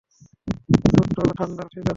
ছোট্ট থান্ডার ঠিক আছে।